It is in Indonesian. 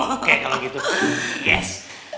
oke kalau gitu yes